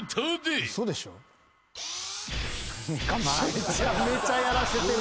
めちゃめちゃやらせてる。